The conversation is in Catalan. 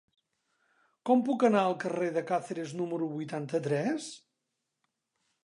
Com puc anar al carrer de Càceres número vuitanta-tres?